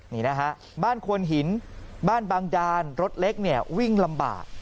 นี่นะฮะบ้านควนหินบ้านบางดานรถเล็กเนี่ยวิ่งลำบาก